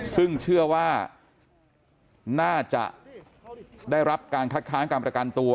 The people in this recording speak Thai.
ซึ่งเชื่อว่าน่าจะได้รับการคัดค้างการประกันตัว